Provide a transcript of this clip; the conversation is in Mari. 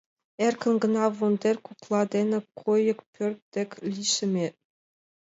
Эркын гына вондер кокла дене кайык пӧрт дек лишеме.